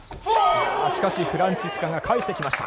しかしフランツィスカが返してきました。